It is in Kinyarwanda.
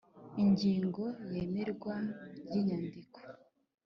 ingingo ya iyemerwa ry inyandiko